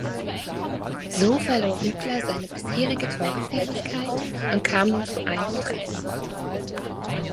So verlor Hübler seine bisherige Torgefährlichkeit und kam nur zu einem Treffer.